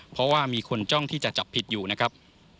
เพราะว่ามีคนจ้องที่จะจับผิดอยู่นะครับ